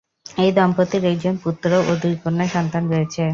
এই দম্পতির একজন পুত্র ও দুই কন্যা সন্তান রয়েছে।